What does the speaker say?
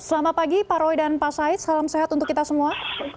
selamat pagi pak roy dan pak said salam sehat untuk kita semua